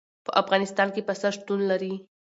په افغانستان کې پسه شتون لري.